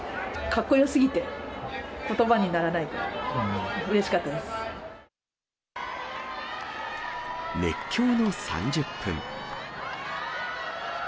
かっこよすぎて、ことばにならな熱狂の３０分。